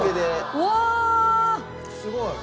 すごい。